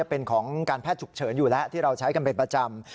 เป็นของการแพทย์ฉุกเฉินอยู่แล้วที่เราใช้กันเป็นประจำ